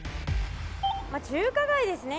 中華街ですね。